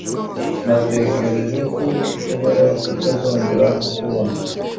Natekereje ko nshobora kutazongera kukubona.